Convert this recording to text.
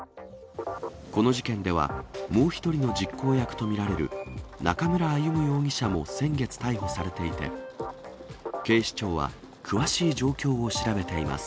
この事件では、もう１人の実行役と見られる中村あゆむ容疑者も先月逮捕されていて、警視庁は詳しい状況を調べています。